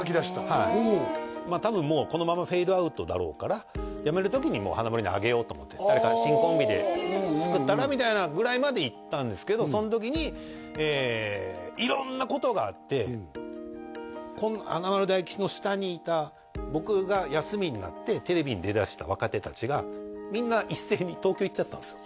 はい多分もうこのままフェードアウトだろうから誰か新コンビで作ったらみたいなぐらいまでいったんですけどその時に色んなことがあって華丸・大吉の下にいた僕が休みになってテレビに出だした若手達がみんな一斉に東京行っちゃったんですよ